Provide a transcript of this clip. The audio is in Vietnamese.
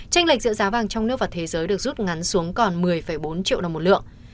tranh lệch giữa giá vàng trong nước và thế giới được rút ngắn xuống còn một mươi bốn triệu đồng một lượng